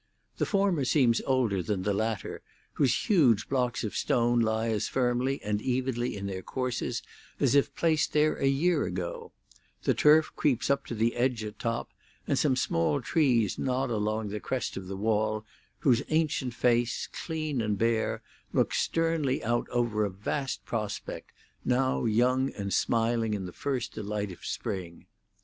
The former seems older than the latter, whose huge blocks of stone lie as firmly and evenly in their courses as if placed there a year ago; the turf creeps to the edge at top, and some small trees nod along the crest of the wall, whose ancient face, clean and bare, looks sternly out over a vast prospect, now young and smiling in the first delight of spring.